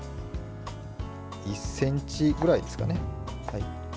１ｃｍぐらいですかね。